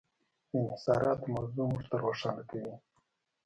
د انحصاراتو موضوع موږ ته روښانه کوي.